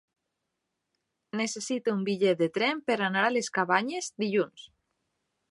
Necessito un bitllet de tren per anar a les Cabanyes dilluns.